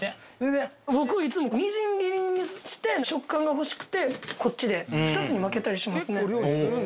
僕はいつもみじん切りにして食感が欲しくてこっちで二つに分けたりしますね